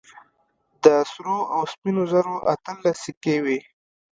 د سرو او سپينو زرو اتلس سيکې وې.